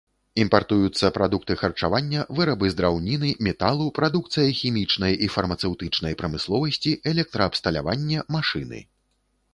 Імпартуюцца прадукты харчавання, вырабы з драўніны, металу, прадукцыя хімічнай і фармацэўтычнай прамысловасці, электраабсталяванне, машыны.